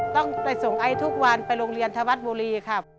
ต้องไปส่งไอทุกวันไปโรงเรียนธวัฒน์บุรีครับ